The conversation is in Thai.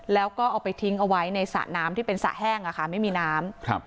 แล้วก็เอาไปทิ้งเอาไว้ในสระน้ำที่เป็นสระแห้งไม่มีน้ำ